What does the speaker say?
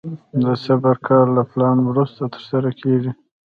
د صبر کار له پلان وروسته ترسره کېږي.